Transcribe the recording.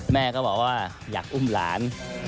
แม่ก็บอกว่าอยากอุ้มหลาน